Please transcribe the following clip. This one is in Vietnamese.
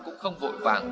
cũng không vội vàng